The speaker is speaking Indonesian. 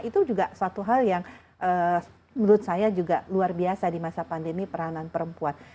itu juga suatu hal yang menurut saya juga luar biasa di masa pandemi peranan perempuan